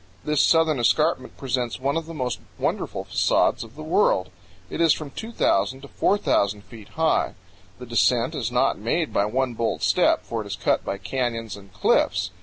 This southern escarpment presents one of the most wonderful facades of the world. It is from 2,000 to 4,000 feet high. The descent is not made by one bold step, for it is cut by canyons and cliffs.